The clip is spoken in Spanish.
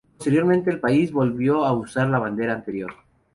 Posteriormente el país volvió a usar la bandera anterior.